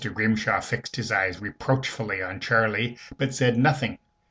Grimshaw fixed his eyes reproachfully on Charley, but said nothing.